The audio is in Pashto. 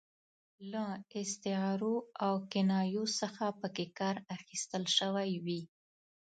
له استعارو او کنایو څخه پکې کار اخیستل شوی وي.